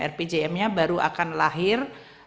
rpjm nya baru akan lahir